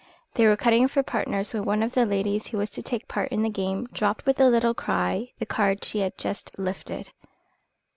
They were cutting for partners when one of the ladies who was to take part in the game dropped with a little cry the card she had just lifted.